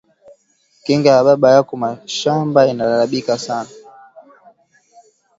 Kinga ya baba yaku mashamba inalabika sasa